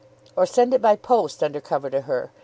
"Or send it by post, under cover to her.